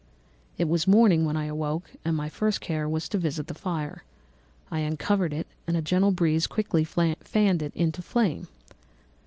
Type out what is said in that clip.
"It was morning when I awoke, and my first care was to visit the fire. I uncovered it, and a gentle breeze quickly fanned it into a flame.